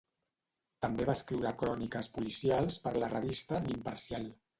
També va escriure cròniques policials per la revista L'Imparcial.